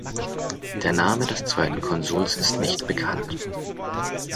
Der Name des zweiten Konsuls ist nicht bekannt.